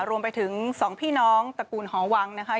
รวมไปถึง๒พี่น้องตระกูลหอวังนะคะ